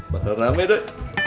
bakal rame duduk